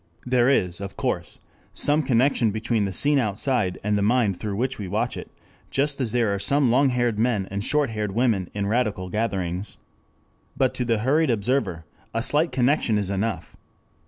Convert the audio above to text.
There is, of course, some connection between the scene outside and the mind through which we watch it, just as there are some long haired men and short haired women in radical gatherings. But to the hurried observer a slight connection is enough.